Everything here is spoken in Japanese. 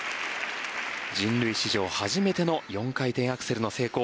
人類史上初めての４回転アクセルの成功